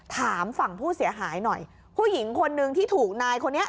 ถามฝั่งผู้เสียหายหน่อยผู้หญิงคนนึงที่ถูกนายคนนี้